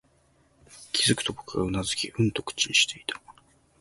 気づくと、僕はうなずき、うんと口にしていた